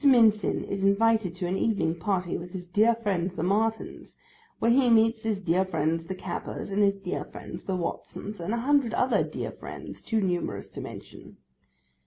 Mincin is invited to an evening party with his dear friends the Martins, where he meets his dear friends the Cappers, and his dear friends the Watsons, and a hundred other dear friends too numerous to mention.